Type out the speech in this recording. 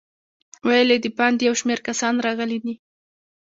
ویل یې د باندې یو شمېر کسان راغلي دي.